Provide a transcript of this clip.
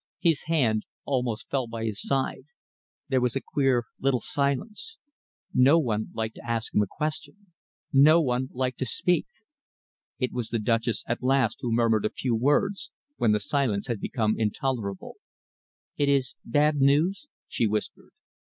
His hand almost fell to his side. There was a queer little silence. No one liked to ask him a question; no one liked to speak. It was the Duchess at last who murmured a few words, when the silence had become intolerable. "It is bad news?" she whispered.